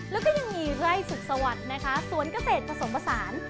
แล้วก็ยังมีไร่สุขสวัสดิ์นะคะสวนเกษตรผสมผสาน